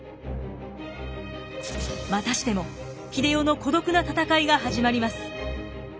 またしても英世の孤独な闘いが始まります。